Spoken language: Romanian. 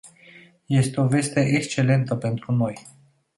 Este o veste excelentă pentru noi.